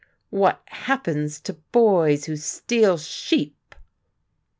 "What happens to boys who steal sheep?"